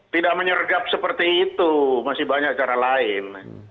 tidak menyergap seperti itu masih banyak cara lain